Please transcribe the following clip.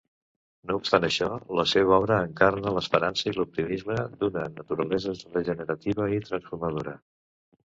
No obstant això, la seva obra encarna l'esperança i l'optimisme d'una naturalesa regenerativa i transformadora.